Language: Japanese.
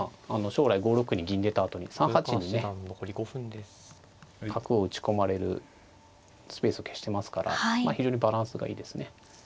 将来５六に銀出たあとに３八にね角を打ち込まれるスペースを消してますから非常にバランスがいいですね。